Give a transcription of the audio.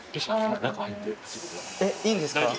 えっいいんですか？